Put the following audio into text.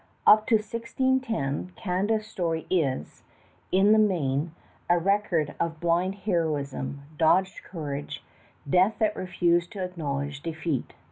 Up to 1610 Canada's story is, in the main, a record of blind heroism, dogged courage, death that refused to acknowledge defeat.